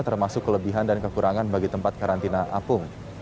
termasuk kelebihan dan kekurangan bagi tempat karantina apung